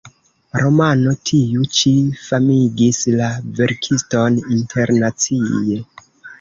Romano tiu ĉi famigis la verkiston internacie.